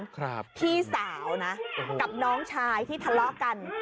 พี่สาวกับน้องชายที่ทะเลาะกัน